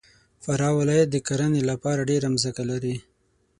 فراه ولایت د کرهنې دپاره ډېره مځکه لري.